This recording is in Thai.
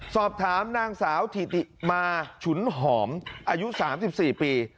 สอบถามนางสาวถิติมาฉุนหอมอายุ๓๔ปี